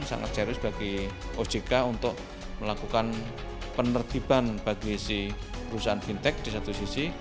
sangat serius bagi ojk untuk melakukan penertiban bagi si perusahaan fintech di satu sisi